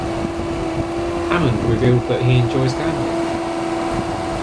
Hammond revealed that he enjoys gambling.